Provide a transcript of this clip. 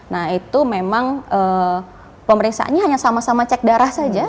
nah itu memang pemeriksaannya hanya sama sama cek darah saja